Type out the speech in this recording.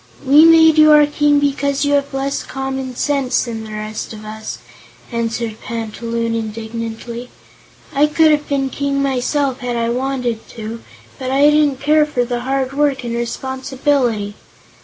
"We made you our King because you have less common sense than the rest of us," answered Panta Loon, indignantly. "I could have been King myself, had I wanted to, but I didn't care for the hard work and responsibility."